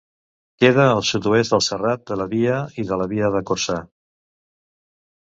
Queda al sud-oest del Serrat de la Via i de la Via de Corçà.